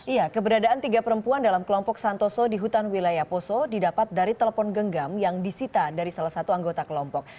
iya keberadaan tiga perempuan dalam kelompok santoso di hutan wilayah poso didapat dari telepon genggam yang disita dari salah satu anggota kelompok